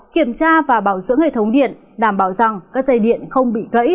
kiểm tra và bảo sửa hệ thống điện đảm bảo rằng các dây điện không bị gãy hở hoặc bị nứt